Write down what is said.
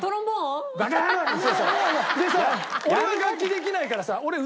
でさ俺は楽器できないからさ。